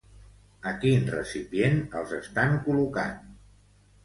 A quin recipient els estan col·locant?